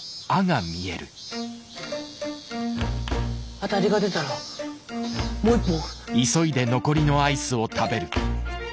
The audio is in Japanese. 当たりが出たらもう一本！